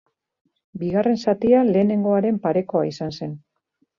Bigarren zatia lehenengoaren parekoa izan zen.